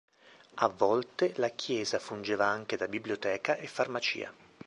A volte la chiesa fungeva anche da biblioteca e farmacia.